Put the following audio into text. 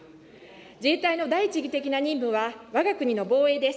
自衛隊の第一義的な任務は、わが国の防衛です。